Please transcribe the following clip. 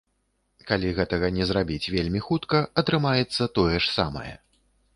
Калі гэтага не зрабіць вельмі хутка, атрымаецца тое ж самае.